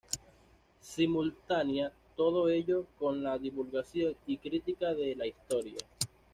Simultánea todo ello con la divulgación y crítica de la historieta.